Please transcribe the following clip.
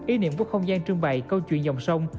ý niệm của không gian trưng bày câu chuyện dòng sông